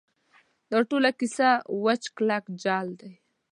دا ټوله کیسه وچ کلک جعل دی.